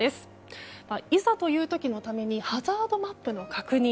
いざという時のためにハザードマップの確認。